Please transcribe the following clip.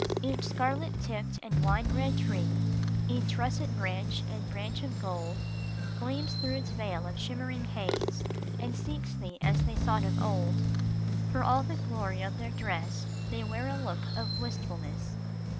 Each scarlet tipped and wine red tree, Each russet branch and branch of gold, Gleams through its veil of shimmering haze, And seeks thee as they sought of old ; For all the "glory of their dress, They wear a look of wistfulness.